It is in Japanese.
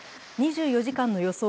２４時間の予想